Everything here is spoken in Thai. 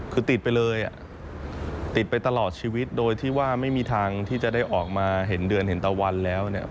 คือติดไปเลยอ่ะติดไปตลอดชีวิตโดยที่ว่าไม่มีทางที่จะได้ออกมาเห็นเดือนเห็นตะวันแล้วเนี่ย